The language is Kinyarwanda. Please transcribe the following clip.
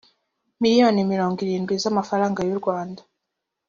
miliyoni mirongo irindwi z amafaranga y u rwanda